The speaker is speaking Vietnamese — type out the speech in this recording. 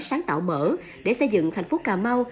sáng tạo mở để xây dựng thành phố cà mau